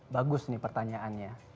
bagus nih pertanyaannya